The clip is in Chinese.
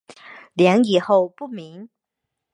梁以后不明。